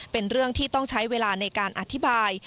เป็นเรื่องที่ต้องใช้เวลาในการอธิบาย